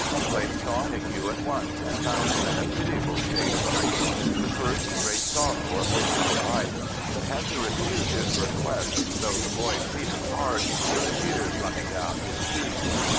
Blake saw M'Hugh at once, and found him in a pitiable state of grief, the first great sorrow of his young life—but had to refuse his request, though the boy pleaded hard, with the tears running down his cheeks.